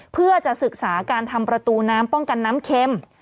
เพื่อจะศึกษาการทำประตูน้ำป้องกันน้ำเค็ม